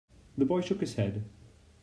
The boy shook his head.